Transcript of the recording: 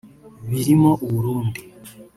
birimo u Burundi